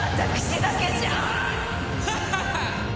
ハハハッ！